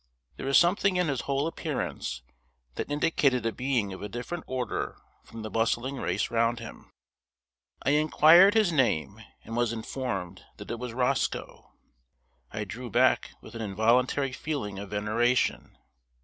There was something in his whole appearance that indicated a being of a different order from the bustling race round him. I inquired his name, and was informed that it was ROSCOE. I drew back with an involuntary feeling of veneration.